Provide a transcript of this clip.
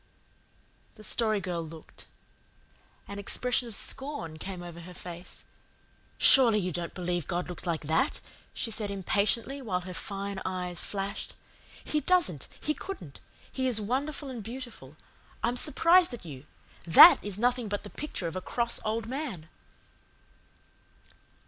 The Story Girl looked. An expression of scorn came over her face. "Surely you don't believe God looks like that," she said impatiently, while her fine eyes flashed. "He doesn't He couldn't. He is wonderful and beautiful. I'm surprised at you. THAT is nothing but the picture of a cross old man."